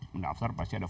mendaftar pasti ada formu